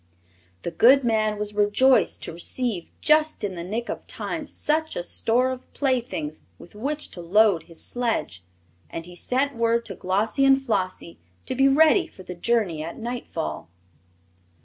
The good man was rejoiced to receive, just in the nick of time, such a store of playthings with which to load his sledge, and he sent word to Glossie and Flossie to be ready for the journey at nightfall.